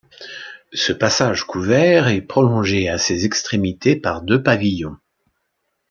Ce passage couvert est prolongé à ses extrémités par deux pavillons.